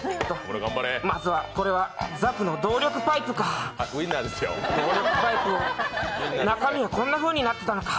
まずはこれはザクの動力パイプか中身はこんなふうになっていたのか。